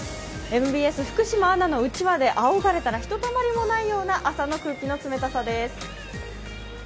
ＭＢＳ、福島アナのうちわであおがれたらひとたまりもないような朝の空気の冷たさです。